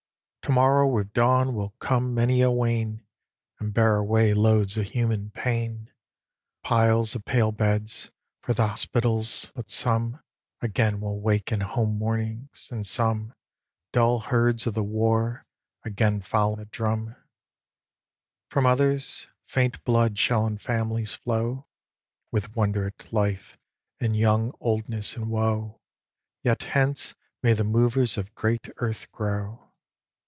To morrow with dawn will come many a wain, And bear away loads of human pain, Piles of pale beds for the 'spitals; but some Again will awake in home mornings, and some, Dull herds of the war, again follow the drum. From others, faint blood shall in families flow, With wonder at life, and young oldness in woe, Yet hence may the movers of great earth grow.